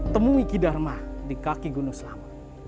temui ki dharma di kaki gunung selamat